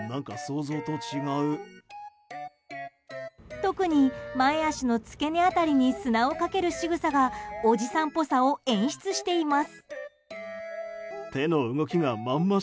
特に、前脚の付け根辺りに砂をかけるしぐさがおじさんぽさを演出しています。